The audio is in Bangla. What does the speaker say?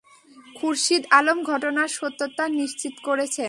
খুরশিদ আলম ঘটনার সত্যতা নিশ্চিত করেছেন।